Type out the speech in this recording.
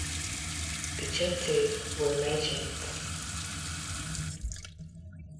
The Chetti were merchants.